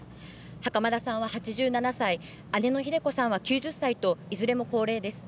袴田さんは８７歳、姉のひで子さんは９０歳といずれも高齢です。